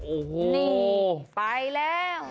โอ้โหนี่ไปแล้ว